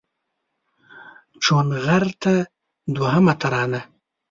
چونغرته دوهمه ترانه